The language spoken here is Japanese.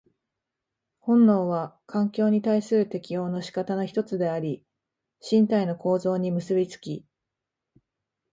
本能は環境に対する適応の仕方の一つであり、身体の構造に結び付き、